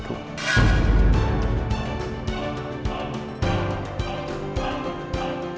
aku akan mengandung putrimu